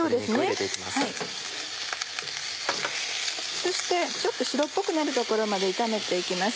そしてちょっと白っぽくなるところまで炒めて行きます。